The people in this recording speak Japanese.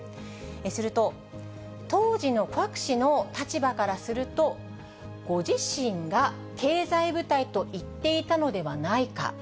すると、当時のクァク氏の立場からすると、ご自身が経済部隊と言っていたのではないか。